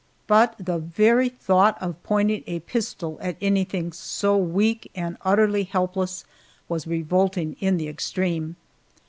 But the very thought of pointing a pistol at anything so weak and utterly helpless was revolting in the extreme.